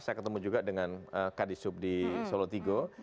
saya ketemu juga dengan kadisub di solotigo